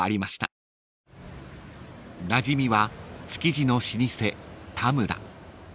［なじみは築地の老舗田村］